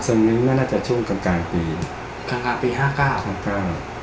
ซึนามิน่าน่าจะช่วงกลางกลางปีกลางกลางปีห้าเก้าห้าเก้า